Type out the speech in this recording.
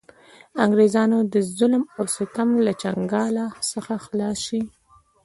د انګرېزانو د ظلم او ستم له چنګاله څخه خلاص شـي.